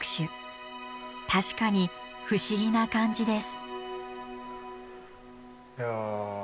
確かに不思議な感じです。